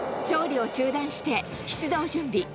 調理を中断して、出動準備。